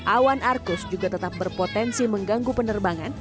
awan arcus juga tetap berpotensi mengganggu penerbangan